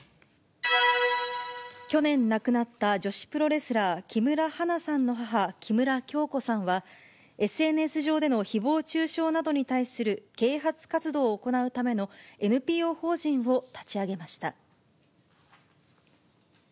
去年亡くなった女子プロレスラー、木村花さんの母、木村響子さんは、ＳＮＳ上でのひぼう中傷などに対する啓発活動を行うためのＮＰＯ法人を立ち上げました。